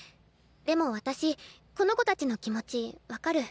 でも私この子たちの気持ち分かる。